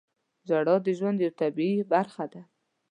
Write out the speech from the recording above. • ژړا د ژوند یوه طبیعي برخه ده.